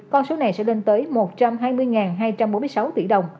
con số này sẽ lên tới một trăm hai mươi hai trăm bốn mươi sáu tỷ đồng